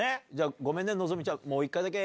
ごめんね希ちゃん。